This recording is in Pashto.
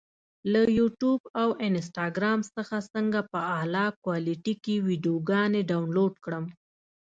له یوټیوب او انسټاګرام څخه څنګه په اعلی کوالټي کې ویډیوګانې ډاونلوډ کړم؟